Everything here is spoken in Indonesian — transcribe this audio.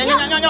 yuk yuk yuk